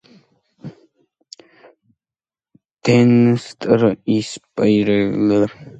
დნესტრისპირეთის კონფლიქტის მოგვარების საკითხში იგი მხარს უჭერდა რუსეთის ჯარის უპირობო გასვლას ოკუპირებული ტერიტორიიდან.